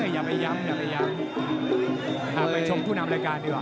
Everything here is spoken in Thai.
อย่าไปย้ำอยากไปย้ำ